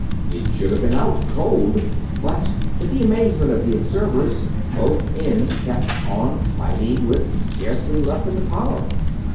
It should have been out, cold but to the amazement of the observers, both ends kept on fighting with scarcely lessened power!